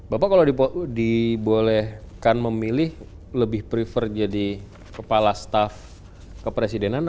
bapak kalau dibolehkan memilih lebih prefer jadi kepala staff kepresidenan